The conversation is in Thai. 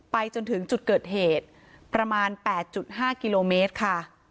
จนถึงจุดเกิดเหตุประมาณ๘๕กิโลเมตรค่ะ